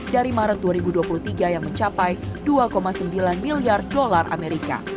dari maret dua ribu dua puluh tiga yang mencapai dua sembilan miliar dolar amerika